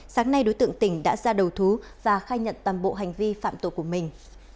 sáng nay đối tượng tỉnh đã ra đầu thú và khai nhận toàn bộ hành vi phạm tội của mình